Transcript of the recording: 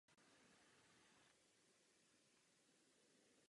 Vystupovala příležitostně na koncertech i v rozhlase.